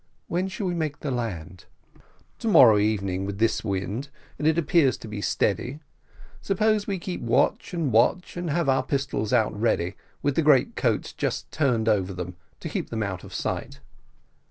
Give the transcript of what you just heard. "When shall we make the land?" "To morrow evening with this wind, and it appears to be steady. Suppose we keep watch and watch, and have our pistols out ready, with the greatcoats just turned over them, to keep them out of sight?"